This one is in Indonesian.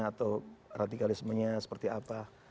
atau radikalismenya seperti apa